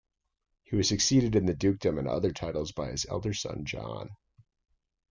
He was succeeded in the dukedom and other titles by his elder son John.